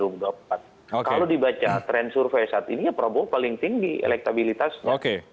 kalau dibaca tren survei saat ini ya prabowo paling tinggi elektabilitasnya